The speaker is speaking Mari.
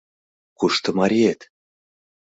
— Кушто мариет?